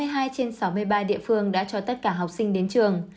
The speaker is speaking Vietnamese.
hai mươi hai trên sáu mươi ba địa phương đã cho tất cả học sinh đến trường